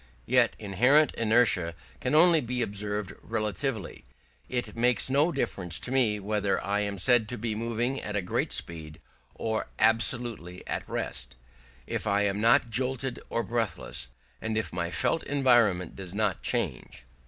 Yet inherent inertia can only be observed relatively: it makes no difference to me whether I am said to be moving at a great speed or absolutely at rest, if I am not jolted or breathless, and if my felt environment does not change.